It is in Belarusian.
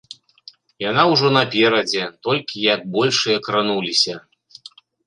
Яна ўжо наперадзе, толькі як большыя крануліся.